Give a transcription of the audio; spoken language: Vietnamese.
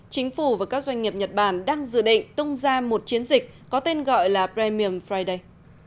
chính phủ và các doanh nghiệp nhật bản đang dự định tung ra một chiến dịch có tên gọi là bramien friday